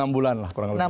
enam bulan lah kurang lebih